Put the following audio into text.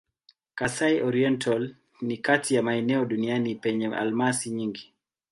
Kasai-Oriental ni kati ya maeneo duniani penye almasi nyingi.